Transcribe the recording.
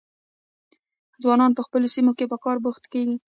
ځوانان په خپلو سیمو کې په کار بوخت کیږي.